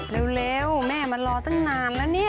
เร็วแม่มารอตั้งนานแล้วเนี่ย